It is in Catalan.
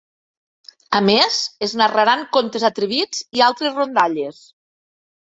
A més, es narraran contes atrevits i altres rondalles.